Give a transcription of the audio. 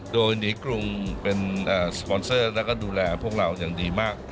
โดยหนีกรุงเป็นสปอนเซอร์แล้วก็ดูแลพวกเราอย่างดีมาก